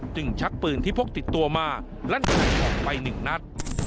ชักปืนที่พกติดตัวมาลั่นออกไปหนึ่งนัด